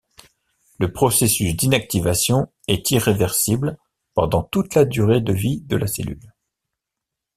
Le processus d'inactivation est irréversible pendant toute la durée de vie de la cellule.